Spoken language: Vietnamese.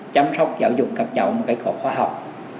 chăm sóc giáo dục các cháu một cách khó khóa học